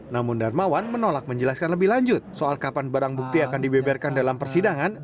namun darmawan menolak menjelaskan lebih lanjut soal kapan barang bukti akan dibeberkan dalam persidangan